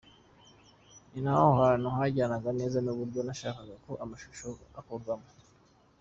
Ni ho hantu hajyanaga neza n’uburyo nashakaga ko amashusho akorwamo.